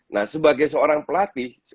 nah sebagai seorang pelatih